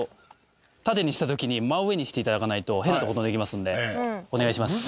縦にしたときに真上にしていただかないと変なとこ飛んでいきますんでお願いします